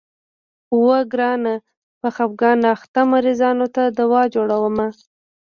اوو ګرانه په خفګان اخته مريضانو ته دوا جوړومه.